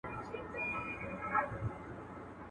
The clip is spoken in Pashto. سیال له سیال له سره ملګری ښه ښکارېږي.